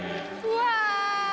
うわ。